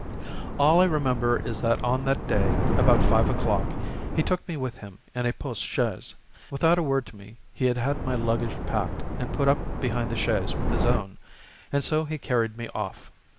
All that I remember is that on that day, about five o'clock, he took me with him in a post chaise. Without a word to me, he had had my luggage packed and put up behind the chaise with his own, and so he carried me off.